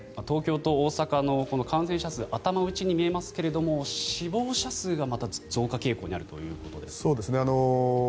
東京と大阪の感染者数頭打ちに見えますけれど死亡者数がまた増加傾向にあるということですね。